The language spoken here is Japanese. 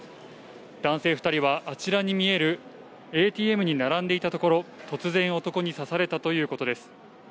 男性２人は、あちらに見えるＡＴＭに並んでいたところ、突然、男に刺されたということです。